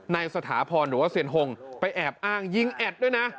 สถาพรหรือว่าเซียนหงไปแอบอ้างยิงแอดด้วยนะ